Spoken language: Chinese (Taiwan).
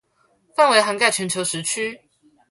範圍涵蓋全球時區